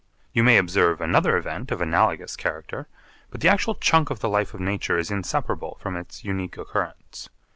You may observe another event of analogous character, but the actual chunk of the life of nature is inseparable from its unique occurrence.